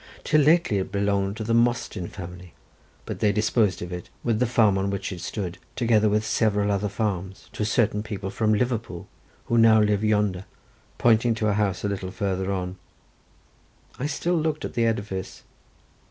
Till lately it belonged to the Mostyn family, but they disposed of it, with the farm on which it stood, together with several other farms, to certain people from Liverpool, who now live yonder," pointing to a house a little way farther on. I still looked at the edifice.